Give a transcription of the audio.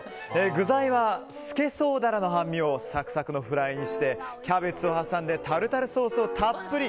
具材はスケソウダラの半身をサクサクのフライにしてキャベツを挟んでタルタルソースをたっぷり。